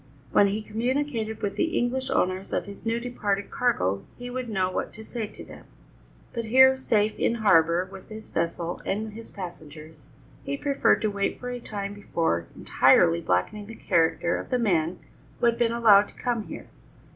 When he communicated with the English owners of his now departed cargo, he would know what to say to them, but here, safe in harbour with his vessel and his passengers, he preferred to wait for a time before entirely blackening the character of the man who had allowed him to come here.